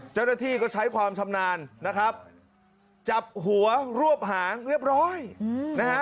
เจ้าหน้าที่ก็ใช้ความชำนาญนะครับจับหัวรวบหางเรียบร้อยนะฮะ